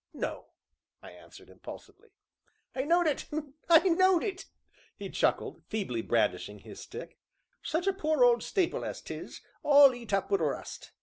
"No," I answered impulsively. "I knowed it I knowed it," he chuckled, feebly brandishing his stick, "such a poor old stapil as 'tis, all eat up wi' rust.